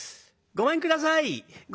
ごめんください！」。